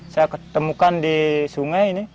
saya ketemukan di sungai ini